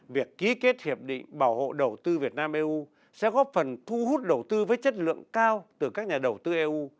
việc ký kết hiệp định bảo hộ đầu tư việt nam eu sẽ góp phần thu hút đầu tư với chất lượng cao từ các nhà đầu tư eu